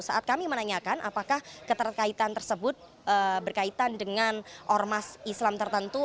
saat kami menanyakan apakah keterkaitan tersebut berkaitan dengan ormas islam tertentu